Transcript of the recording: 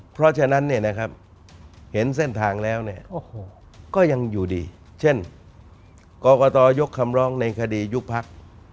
เพราะฉะนั้นนะครับ